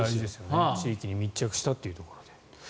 地域に密着したというところで。